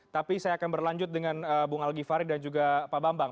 tapi saya akan berlanjut dengan bung al ghifari dan juga pak bambang